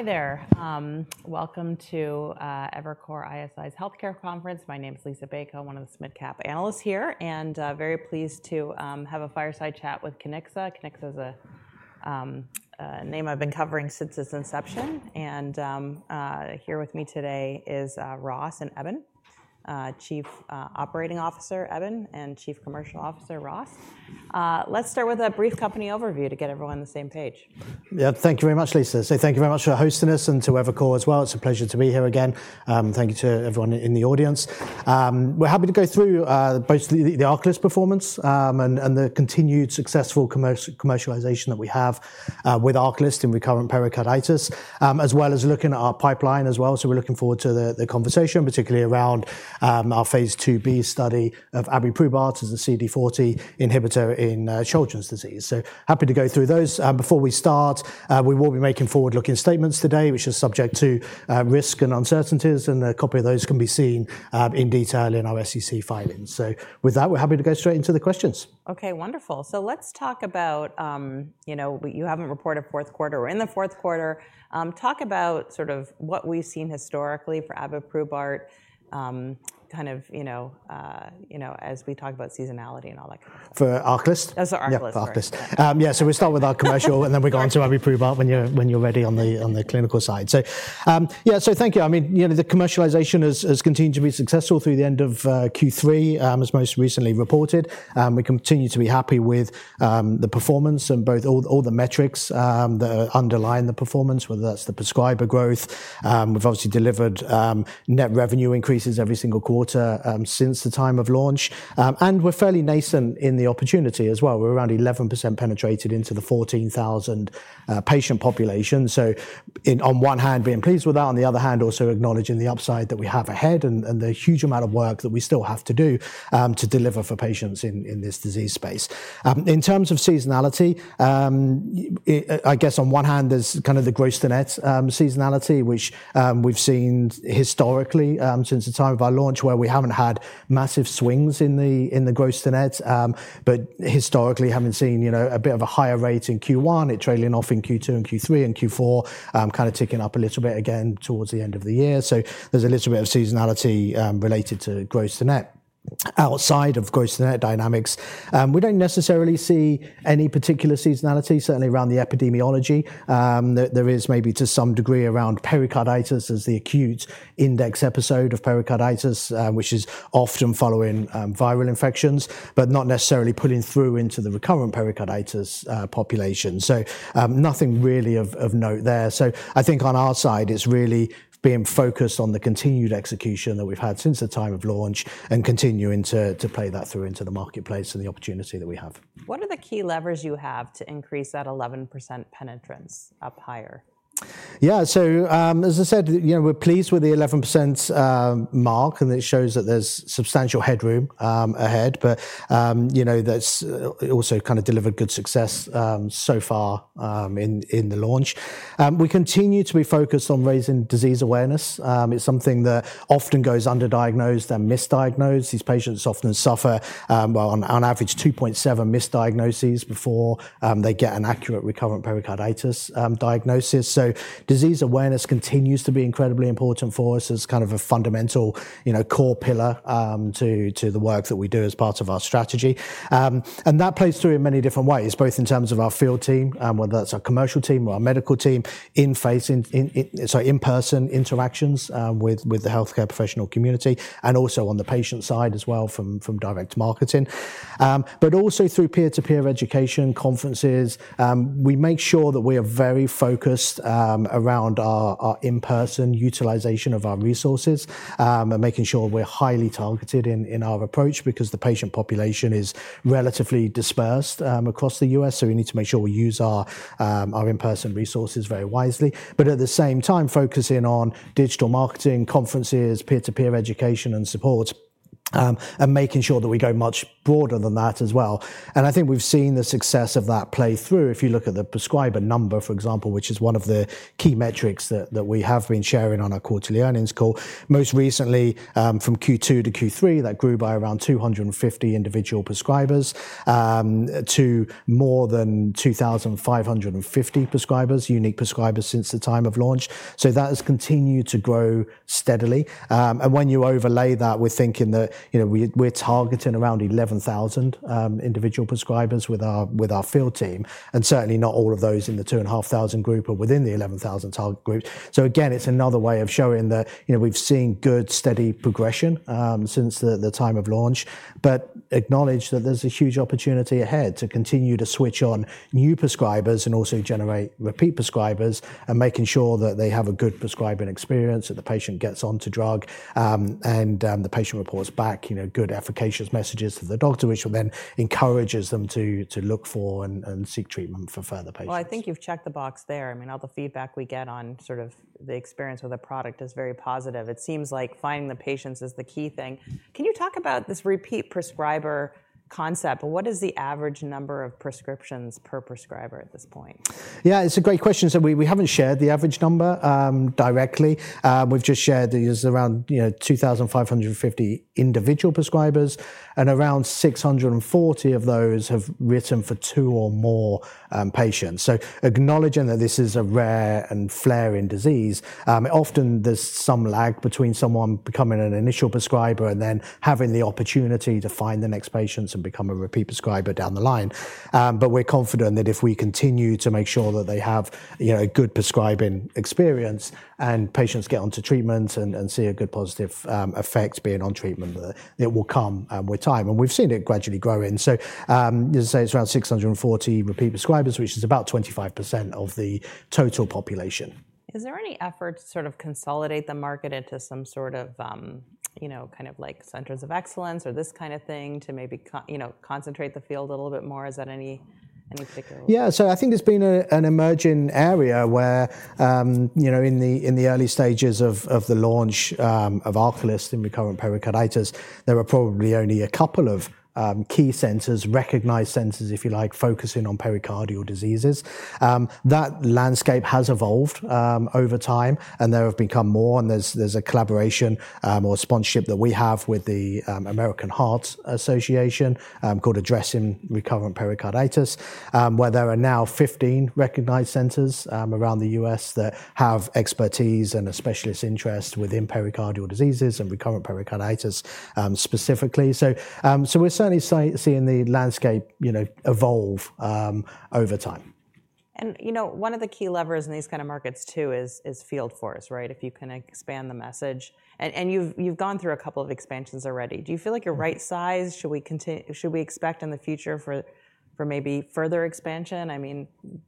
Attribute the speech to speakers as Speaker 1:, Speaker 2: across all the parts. Speaker 1: Hi there. Welcome to Evercore ISI's Healthcare Conference. My name is Liisa Bayko, one of the Evercore ISI analysts here, and very pleased to have a fireside chat with Kiniksa. Kiniksa is a name I've been covering since its inception, and here with me today is Ross and Eben, Chief Operating Officer Eben and Chief Commercial Officer Ross. Let's start with a brief company overview to get everyone on the same page.
Speaker 2: Yeah, thank you very much, Lisa. So thank you very much for hosting us and to Evercore as well. It's a pleasure to be here again. Thank you to everyone in the audience. We're happy to go through both the ARCALYST performance and the continued successful commercialization that we have with ARCALYST and recurrent pericarditis, as well as looking at our pipeline as well. So we're looking forward to the conversation, particularly around our phase II-B study of abiprubart as a CD40 inhibitor in Sjögren’s disease. So happy to go through those. Before we start, we will be making forward-looking statements today, which are subject to risk and uncertainties, and a copy of those can be seen in detail in our SEC filings. So with that, we're happy to go straight into the questions.
Speaker 1: Okay, wonderful. So let's talk about, you know, you haven't reported fourth quarter or in the fourth quarter. Talk about sort of what we've seen historically for abiprubart, kind of, you know, as we talk about seasonality and all that kind of stuff.
Speaker 2: For ARCALYST?
Speaker 1: That's for ARCALYST.
Speaker 2: Yeah, ARCALYST. Yeah, so we'll start with our commercial, and then we'll go on to abiprubart when you're ready on the clinical side. So yeah, so thank you. I mean, you know, the commercialization has continued to be successful through the end of Q3, as most recently reported. We continue to be happy with the performance and both all the metrics that underline the performance, whether that's the prescriber growth. We've obviously delivered net revenue increases every single quarter since the time of launch. And we're fairly nascent in the opportunity as well. We're around 11% penetrated into the 14,000 patient population. So on one hand, being pleased with that, on the other hand, also acknowledging the upside that we have ahead and the huge amount of work that we still have to do to deliver for patients in this disease space. In terms of seasonality, I guess on one hand, there's kind of the gross-to-net seasonality, which we've seen historically since the time of our launch, where we haven't had massive swings in the gross-to-net. But historically, having seen, you know, a bit of a higher rate in Q1, it trailing off in Q2 and Q3 and Q4, kind of ticking up a little bit again towards the end of the year. So there's a little bit of seasonality related to gross-to-net. Outside of gross-to-net dynamics, we don't necessarily see any particular seasonality, certainly around the epidemiology. There is maybe to some degree around pericarditis as the acute index episode of pericarditis, which is often following viral infections, but not necessarily pulling through into the recurrent pericarditis population. So nothing really of note there. So I think on our side, it's really being focused on the continued execution that we've had since the time of launch and continuing to play that through into the marketplace and the opportunity that we have.
Speaker 1: What are the key levers you have to increase that 11% penetrance up higher?
Speaker 2: Yeah, so as I said, you know, we're pleased with the 11% mark, and it shows that there's substantial headroom ahead. But, you know, that's also kind of delivered good success so far in the launch. We continue to be focused on raising disease awareness. It's something that often goes underdiagnosed and misdiagnosed. These patients often suffer, well, on average, 2.7 misdiagnoses before they get an accurate recurrent pericarditis diagnosis. So disease awareness continues to be incredibly important for us as kind of a fundamental, you know, core pillar to the work that we do as part of our strategy. And that plays through in many different ways, both in terms of our field team, whether that's our commercial team or our medical team, in-person interactions with the healthcare professional community, and also on the patient side as well from direct marketing. But also through peer-to-peer education conferences, we make sure that we are very focused around our in-person utilization of our resources, making sure we're highly targeted in our approach because the patient population is relatively dispersed across the U.S. So we need to make sure we use our in-person resources very wisely. But at the same time, focusing on digital marketing, conferences, peer-to-peer education and support, and making sure that we go much broader than that as well. And I think we've seen the success of that play through. If you look at the prescriber number, for example, which is one of the key metrics that we have been sharing on our quarterly earnings call, most recently from Q2 to Q3, that grew by around 250 individual prescribers to more than 2,550 prescribers, unique prescribers since the time of launch. So that has continued to grow steadily. And when you overlay that, we're thinking that, you know, we're targeting around 11,000 individual prescribers with our field team. And certainly not all of those in the 2,500 group are within the 11,000 target group. So again, it's another way of showing that, you know, we've seen good steady progression since the time of launch, but acknowledge that there's a huge opportunity ahead to continue to switch on new prescribers and also generate repeat prescribers and making sure that they have a good prescribing experience, that the patient gets onto drug and the patient reports back, you know, good efficacious messages to the doctor, which will then encourage them to look for and seek treatment for further patients.
Speaker 1: I think you've checked the box there. I mean, all the feedback we get on sort of the experience with the product is very positive. It seems like finding the patients is the key thing. Can you talk about this repeat prescriber concept? What is the average number of prescriptions per prescriber at this point?
Speaker 2: Yeah, it's a great question. So we haven't shared the average number directly. We've just shared that there's around 2,550 individual prescribers, and around 640 of those have written for two or more patients. So acknowledging that this is a rare and flaring disease, often there's some lag between someone becoming an initial prescriber and then having the opportunity to find the next patients and become a repeat prescriber down the line. But we're confident that if we continue to make sure that they have a good prescribing experience and patients get onto treatment and see a good positive effect being on treatment, it will come with time. And we've seen it gradually growing. So as I say, it's around 640 repeat prescribers, which is about 25% of the total population.
Speaker 1: Is there any effort to sort of consolidate the market into some sort of, you know, kind of like centers of excellence or this kind of thing to maybe, you know, concentrate the field a little bit more? Is that any particular?
Speaker 2: Yeah, so I think there's been an emerging area where, you know, in the early stages of the launch of ARCALYST in recurrent pericarditis, there were probably only a couple of key centers, recognized centers, if you like, focusing on pericardial diseases. That landscape has evolved over time, and there have become more, and there's a collaboration or sponsorship that we have with the American Heart Association called Addressing Recurrent Pericarditis, where there are now 15 recognized centers around the U.S. that have expertise and a specialist interest within pericardial diseases and recurrent pericarditis specifically, so we're certainly seeing the landscape, you know, evolve over time.
Speaker 1: You know, one of the key levers in these kind of markets too is Field Force, right? If you can expand the message. You've gone through a couple of expansions already. Do you feel like you're right size? Should we expect in the future for maybe further expansion? I mean,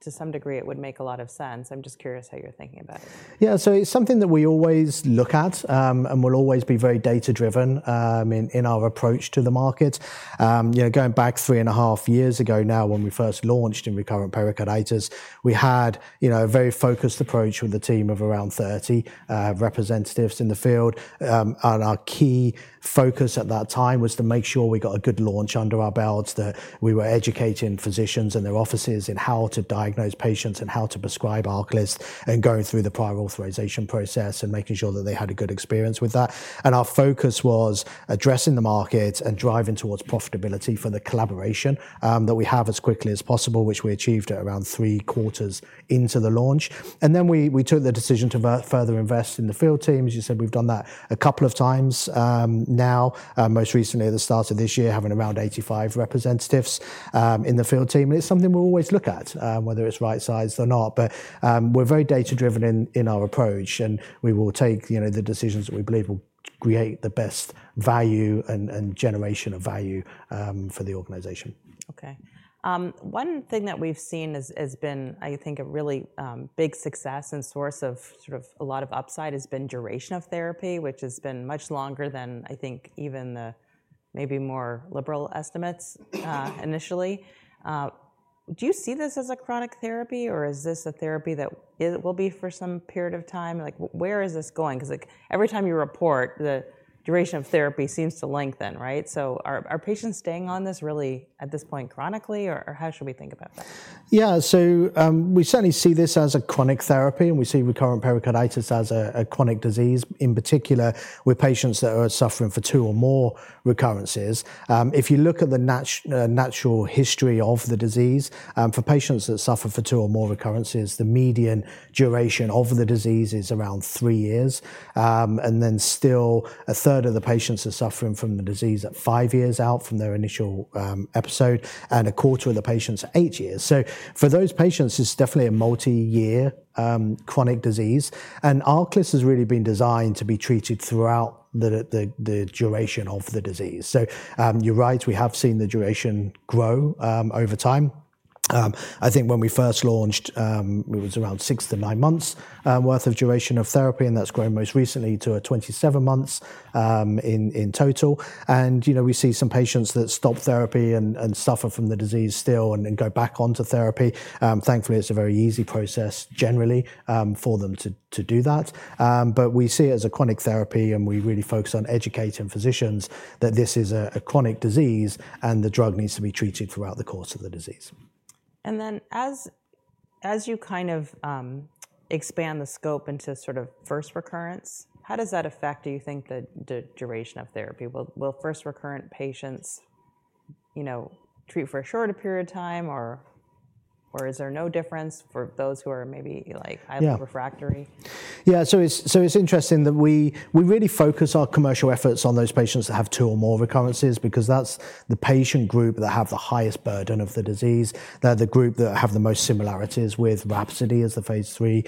Speaker 1: to some degree, it would make a lot of sense. I'm just curious how you're thinking about it.
Speaker 2: Yeah, so it's something that we always look at and will always be very data-driven in our approach to the market. You know, going back three and a half years ago now, when we first launched in recurrent pericarditis, we had a very focused approach with a team of around 30 representatives in the field, and our key focus at that time was to make sure we got a good launch under our belts, that we were educating physicians and their offices in how to diagnose patients and how to prescribe ARCALYST and going through the prior authorization process and making sure that they had a good experience with that, and our focus was addressing the market and driving towards profitability for the collaboration that we have as quickly as possible, which we achieved at around three quarters into the launch. And then we took the decision to further invest in the field team. As you said, we've done that a couple of times now, most recently at the start of this year, having around 85 representatives in the field team. And it's something we'll always look at, whether it's right sized or not. But we're very data-driven in our approach, and we will take the decisions that we believe will create the best value and generation of value for the organization.
Speaker 1: Okay. One thing that we've seen has been, I think, a really big success and source of sort of a lot of upside has been duration of therapy, which has been much longer than I think even the maybe more liberal estimates initially. Do you see this as a chronic therapy, or is this a therapy that it will be for some period of time? Like, where is this going? Because every time you report, the duration of therapy seems to lengthen, right? So are patients staying on this really at this point chronically, or how should we think about that?
Speaker 2: Yeah, so we certainly see this as a chronic therapy, and we see recurrent pericarditis as a chronic disease, in particular with patients that are suffering for two or more recurrences. If you look at the natural history of the disease, for patients that suffer for two or more recurrences, the median duration of the disease is around three years. And then still a third of the patients are suffering from the disease at five years out from their initial episode, and a quarter of the patients at eight years. So for those patients, it's definitely a multi-year chronic disease. And ARCALYST has really been designed to be treated throughout the duration of the disease. So you're right, we have seen the duration grow over time. I think when we first launched, it was around six to nine months' worth of duration of therapy, and that's grown most recently to 27 months in total. You know, we see some patients that stop therapy and suffer from the disease still and go back onto therapy. Thankfully, it's a very easy process generally for them to do that. We see it as a chronic therapy, and we really focus on educating physicians that this is a chronic disease and the drug needs to be treated throughout the course of the disease.
Speaker 1: And then as you kind of expand the scope into sort of first recurrence, how does that affect, do you think, the duration of therapy? Will first recurrent patients, you know, treat for a shorter period of time, or is there no difference for those who are maybe like highly refractory?
Speaker 2: Yeah, so it's interesting that we really focus our commercial efforts on those patients that have two or more recurrences because that's the patient group that have the highest burden of the disease. They're the group that have the most similarities with RHAPSODY as the phase III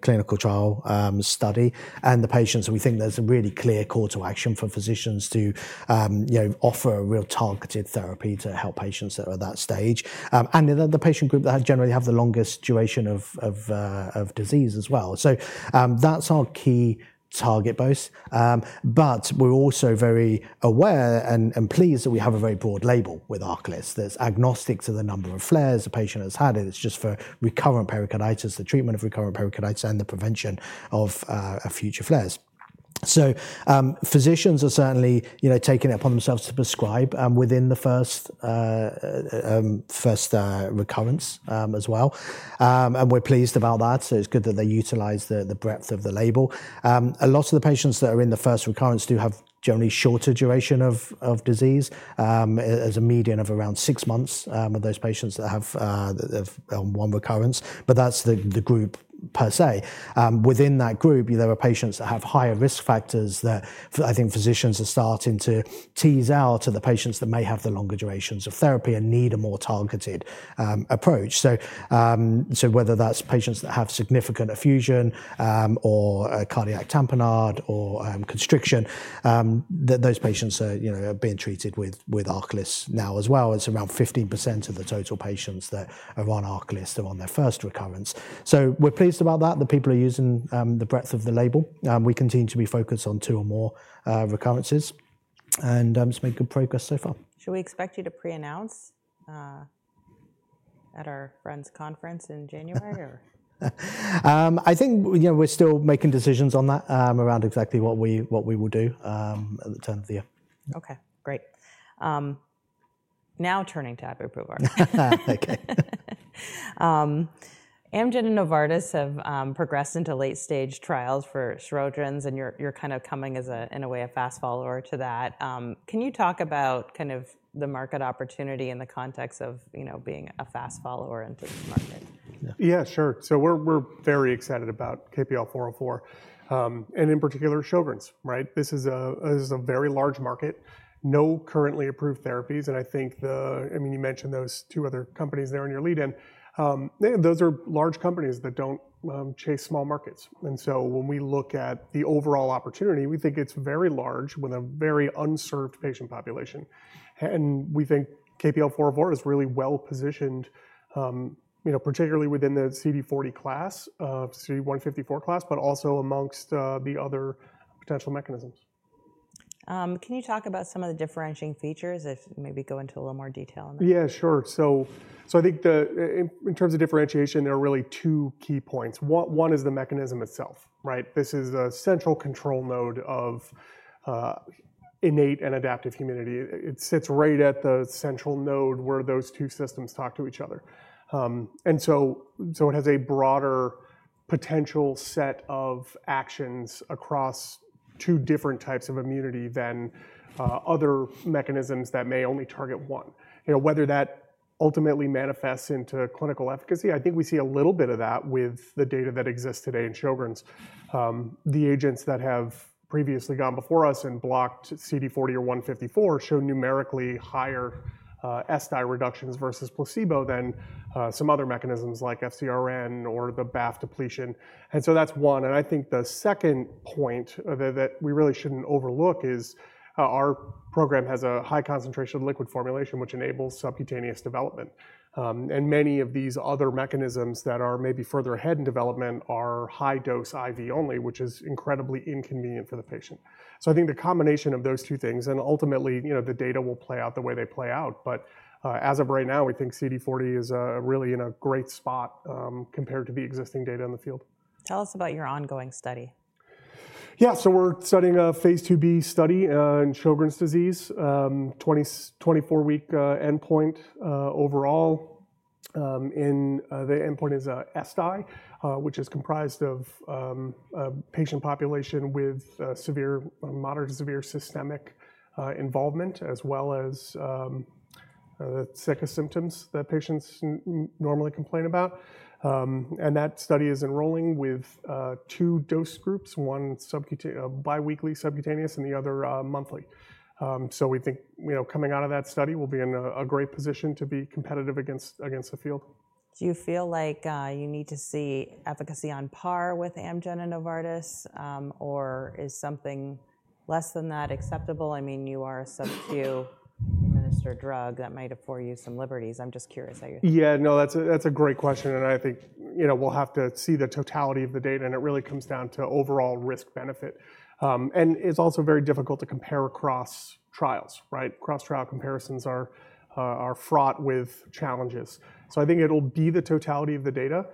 Speaker 2: clinical trial study. And the patients that we think there's a really clear call to action for physicians to, you know, offer a real targeted therapy to help patients that are at that stage. And then the patient group that generally have the longest duration of disease as well. So that's our key target both. But we're also very aware and pleased that we have a very broad label with ARCALYST. It's agnostic to the number of flares a patient has had. It's just for recurrent pericarditis, the treatment of recurrent pericarditis and the prevention of future flares. So physicians are certainly, you know, taking it upon themselves to prescribe within the first recurrence as well. And we're pleased about that. So it's good that they utilize the breadth of the label. A lot of the patients that are in the first recurrence do have generally shorter duration of disease as a median of around six months with those patients that have one recurrence. But that's the group per se. Within that group, there are patients that have higher risk factors that I think physicians are starting to tease out to the patients that may have the longer durations of therapy and need a more targeted approach. So whether that's patients that have significant effusion or cardiac tamponade or constriction, those patients are being treated with ARCALYST now as well. It's around 15% of the total patients that are on ARCALYST are on their first recurrence. So we're pleased about that, that people are using the breadth of the label. We continue to be focused on two or more recurrences and make good progress so far.
Speaker 1: Should we expect you to pre-announce at our friends' conference in January or?
Speaker 2: I think, you know, we're still making decisions on that around exactly what we will do at the turn of the year.
Speaker 1: Okay, great. Now turning to abiprubart. Amgen and Novartis have progressed into late-stage trials for Sjögren’s disease, and you're kind of coming as a, in a way, a fast follower to that. Can you talk about kind of the market opportunity in the context of, you know, being a fast follower into this market?
Speaker 3: Yeah, sure. So we're very excited about KPL-404 and in particular Sjögren’s, right? This is a very large market, no currently approved therapies. And I think the, I mean, you mentioned those two other companies there in your lead in. Those are large companies that don't chase small markets. And so when we look at the overall opportunity, we think it's very large with a very unserved patient population. And we think KPL-404 is really well positioned, you know, particularly within the CD40 class, CD154 class, but also amongst the other potential mechanisms.
Speaker 1: Can you talk about some of the differentiating features if maybe go into a little more detail?
Speaker 3: Yeah, sure. So I think in terms of differentiation, there are really two key points. One is the mechanism itself, right? This is a central control node of innate and adaptive immunity. It sits right at the central node where those two systems talk to each other. And so it has a broader potential set of actions across two different types of immunity than other mechanisms that may only target one. You know, whether that ultimately manifests into clinical efficacy, I think we see a little bit of that with the data that exists today in Sjögren’s. The agents that have previously gone before us and blocked CD40 or CD154 show numerically higher ESSDAI reductions versus placebo than some other mechanisms like FcRn or the BAFF depletion. And so that's one. And I think the second point that we really shouldn't overlook is our program has a high concentration of liquid formulation, which enables subcutaneous development. And many of these other mechanisms that are maybe further ahead in development are high dose IV only, which is incredibly inconvenient for the patient. So I think the combination of those two things and ultimately, you know, the data will play out the way they play out. But as of right now, we think CD40 is really in a great spot compared to the existing data in the field.
Speaker 1: Tell us about your ongoing study?
Speaker 3: Yeah, so we're studying a phase II-B study in Sjögren’s disease, 24-week endpoint overall. The endpoint is ESSDAI, which is comprised of patient population with severe, moderate to severe systemic involvement, as well as the sicca symptoms that patients normally complain about. And that study is enrolling with two dose groups, one biweekly subcutaneous and the other monthly. So we think, you know, coming out of that study, we'll be in a great position to be competitive against the field.
Speaker 1: Do you feel like you need to see efficacy on par with Amgen and Novartis, or is something less than that acceptable? I mean, you are a sub-Q administered drug that might afford you some liberties. I'm just curious how you're thinking.
Speaker 3: Yeah, no, that's a great question. And I think, you know, we'll have to see the totality of the data, and it really comes down to overall risk-benefit. And it's also very difficult to compare across trials, right? Cross-trial comparisons are fraught with challenges. So I think it'll be the totality of the data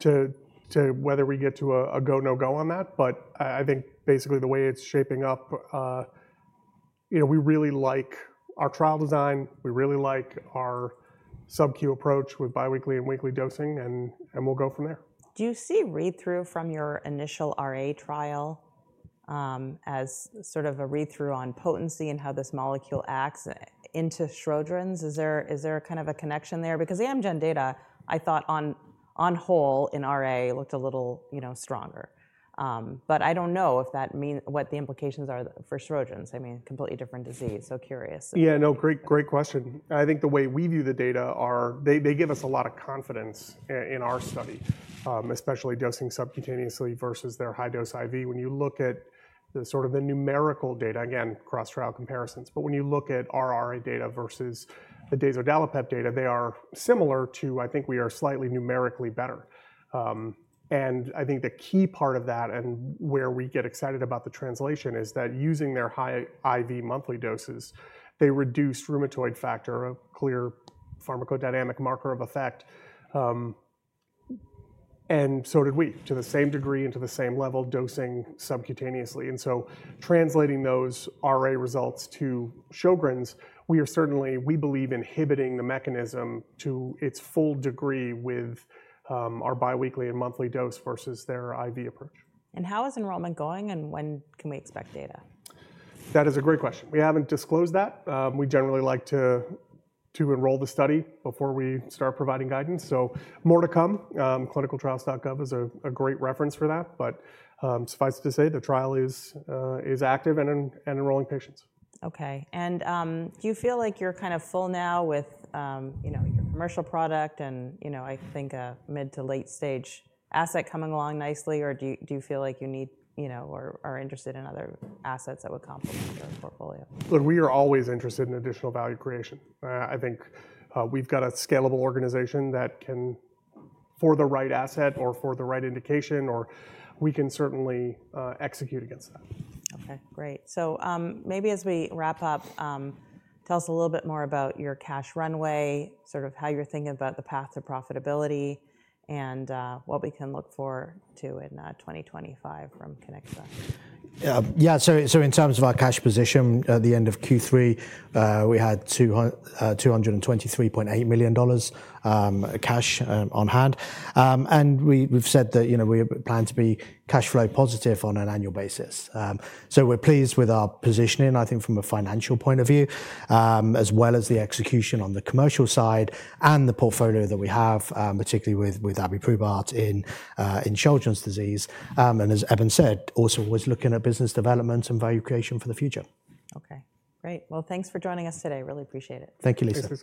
Speaker 3: to whether we get to a go, no go on that. But I think basically the way it's shaping up, you know, we really like our trial design. We really like our sub-Q approach with biweekly and weekly dosing, and we'll go from there.
Speaker 1: Do you see read-through from your initial RA trial as sort of a read-through on potency and how this molecule acts into Sjögren’s? Is there kind of a connection there? Because the Amgen data, I thought on whole in RA looked a little, you know, stronger. But I don't know if that means what the implications are for Sjögren’s. I mean, completely different disease. So curious.
Speaker 3: Yeah, no, great question. I think the way we view the data are, they give us a lot of confidence in our study, especially dosing subcutaneously versus their high dose IV. When you look at the sort of the numerical data, again, cross-trial comparisons, but when you look at our RA data versus the dazodalibep data, they are similar to, I think we are slightly numerically better. And I think the key part of that and where we get excited about the translation is that using their high IV monthly doses, they reduced rheumatoid factor, a clear pharmacodynamic marker of effect. And so did we to the same degree and to the same level dosing subcutaneously. And so translating those RA results to Sjögren’s disease, we are certainly, we believe inhibiting the mechanism to its full degree with our biweekly and monthly dose versus their IV approach.
Speaker 1: How is enrollment going and when can we expect data?
Speaker 3: That is a great question. We haven't disclosed that. We generally like to enroll the study before we start providing guidance. So more to come. ClinicalTrials.gov is a great reference for that. But suffice it to say, the trial is active and enrolling patients.
Speaker 1: Okay. And do you feel like you're kind of full now with, you know, your commercial product and, you know, I think a mid to late stage asset coming along nicely, or do you feel like you need, you know, or are interested in other assets that would complement your portfolio?
Speaker 3: Look, we are always interested in additional value creation. I think we've got a scalable organization that can, for the right asset or for the right indication, or we can certainly execute against that.
Speaker 1: Okay, great. So maybe as we wrap up, tell us a little bit more about your cash runway, sort of how you're thinking about the path to profitability and what we can look forward to in 2025 from Kiniksa.
Speaker 2: Yeah, so in terms of our cash position at the end of Q3, we had $223.8 million cash on hand. And we've said that, you know, we plan to be cash flow positive on an annual basis. So we're pleased with our positioning, I think from a financial point of view, as well as the execution on the commercial side and the portfolio that we have, particularly with abiprubart in Sjögren’s disease. And as Eben said, also always looking at business development and value creation for the future.
Speaker 1: Okay, great. Well, thanks for joining us today. Really appreciate it.
Speaker 2: Thank you, Lisa.